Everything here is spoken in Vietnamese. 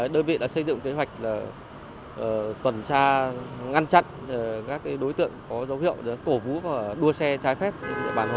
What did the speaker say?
đơn vị đã xây dựng kế hoạch tuần tra ngăn chặn các đối tượng có dấu hiệu cổ vũ và đua xe trái phép trên địa bàn